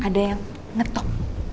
bah ada yang ngetok